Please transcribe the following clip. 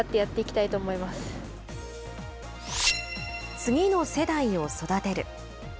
次の世代を育てる。